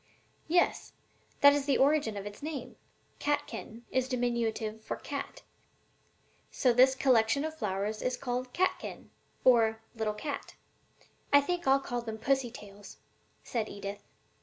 "Yes, and that is the origin of its name. 'Catkin' is diminutive for 'cat;' so this collection of flowers is called 'catkin,' or 'little cat.'" "I think I'll call them 'pussy tails,'" said Edith.